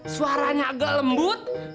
suaranya agak lembut